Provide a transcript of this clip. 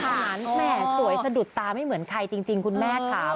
แม่สวยสะดุดตาไม่เหมือนใครจริงคุณแม่ค่ะ